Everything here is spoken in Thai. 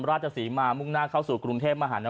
ราชศรีมามุ่งหน้าเข้าสู่กรุงเทพมหานคร